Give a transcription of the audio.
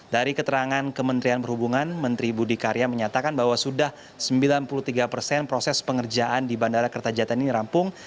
dari keterangan kementerian perhubungan menteri budi karya menyatakan bahwa sudah sembilan puluh tiga persen proses pengerjaan di bandara kertajatan ini rampung